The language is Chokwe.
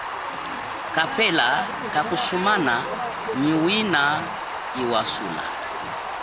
Kapela kakusumana nyi wina hiwasula.